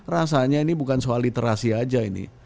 rasanya ini bukan soal literasi aja ini